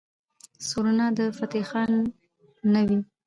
سورنا د فتح خان نه وي.